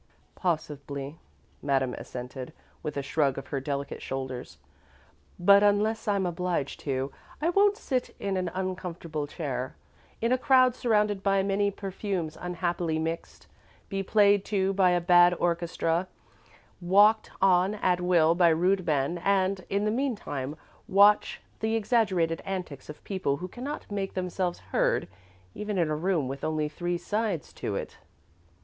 "Possibly," Madame assented, with a shrug of her delicate shoulders, "but unless I'm obliged to, I won't sit in an uncomfortable chair, in a crowd, surrounded by many perfumes unhappily mixed, be played to by a bad orchestra, walked on at will by rude men, and, in the meantime, watch the exaggerated antics of people who cannot make themselves heard, even in a room with only three sides to it."